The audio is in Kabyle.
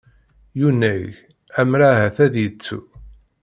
Yunag, ammer ahat ad yettu.